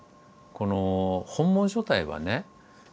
この本文書体はね